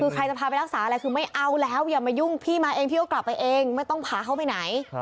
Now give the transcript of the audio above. คือใครจะพาไปรักษาอะไรคือไม่เอาแล้วอย่ามายุ่งพี่มาเองพี่ก็กลับไปเองไม่ต้องพาเขาไปไหน